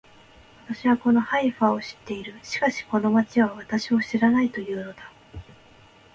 私はこのハイファを知っている。しかしこの町は私を知らないと言うのだ